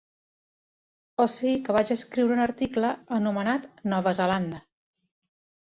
O sigui que vaig escriure un article anomenat "Nova Zelanda".